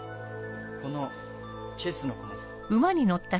このチェスの駒さ。